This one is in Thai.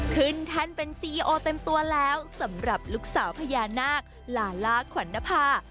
แท่นเป็นซีโอเต็มตัวแล้วสำหรับลูกสาวพญานาคลาล่าขวัญนภา